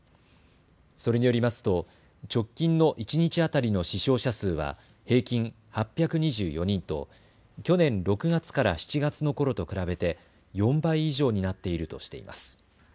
それによりますと直近の一日当たりの死傷者数は平均８２４人と去年６月から７月のころと比べて４倍以上になっているとしています。